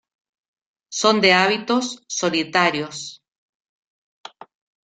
Son de hábitos solitarios.